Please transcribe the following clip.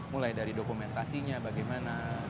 mulai dari dokumentasinya bagaimana